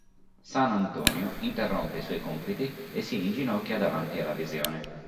San Antonio interrompe i suoi compiti e si inginocchia davanti alla visione.